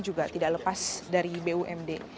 juga tidak lepas dari bumd